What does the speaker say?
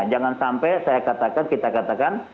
jangan sampai saya katakan kita katakan